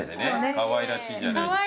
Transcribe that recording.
かわいらしいじゃないですか。